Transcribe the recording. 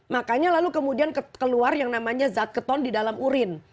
makanya lalu kemudian keluar yang namanya zat keton di dalam urin